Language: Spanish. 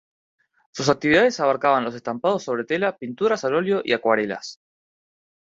Sus actividades abarcaban los estampados sobre tela, pinturas al óleo y acuarelas.